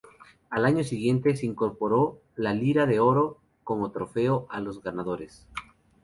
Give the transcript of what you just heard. Al año siguiente, se incorporó la "Lira de Oro" como trofeo a los ganadores.